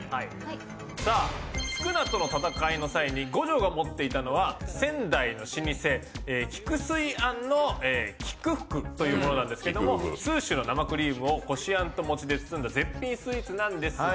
さあ宿儺との戦いの際に五条が持っていたのは仙台の老舗「喜久水庵」の「喜久福」というものなんですけども数種の生クリームをこしあんと餅で包んだ絶品スイーツなんですが。